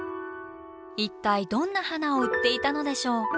一体どんな花を売っていたのでしょう。